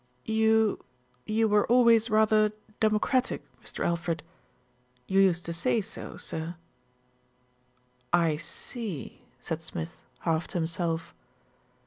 "You you were always rather democratic, Mr. Al fred. You used to say so, sir." "I see," said Smith, half to himself.